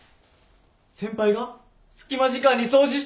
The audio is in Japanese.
先輩が隙間時間に掃除してる！